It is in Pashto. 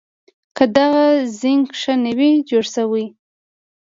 که دغه زېنک ښه نه وي جوړ شوي